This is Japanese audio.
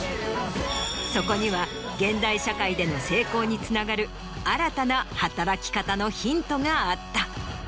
そこには現代社会での成功につながる新たな働き方のヒントがあった。